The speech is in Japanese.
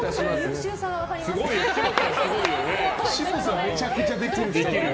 岸本さん、めちゃくちゃできる。